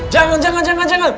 jangan jangan jangan